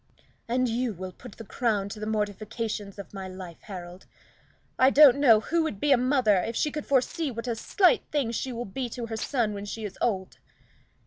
"And you will put the crown to the mortifications of my life, Harold. I don't know who would be a mother if she could foresee what a slight thing she will be to her son when she is old."